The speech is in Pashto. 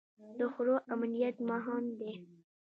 د خوړو امنیت مهم دی.